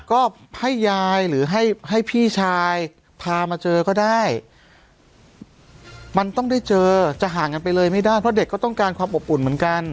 ก็ให้ยายหรือให้ให้พี่ชายพามาเจอก็ได้มันต้องได้เจอจะห่างกันไปเลยไม่ได้เพราะเด็กก็ต้องการความอบอุ่นเหมือนกัน